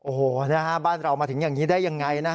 โอ้โหบ้านเรามาถึงอย่างนี้ได้ยังไง